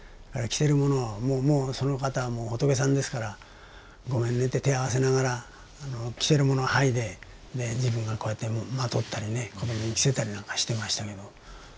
着てるものをその方はもう仏さんですから「ごめんね」って手を合わせながら着てるものを剥いで自分がこうやってまとったりね子どもに着せたりなんかしてましたけど。